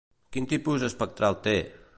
Quin tipus espectral té?